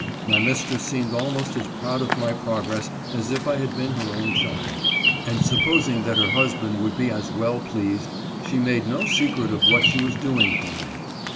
My mistress seemed "almost a^proild^ofTny progress as if I had been her own child, and supposing that her husband would be as well pleased, she made no secret of what she was doing for me.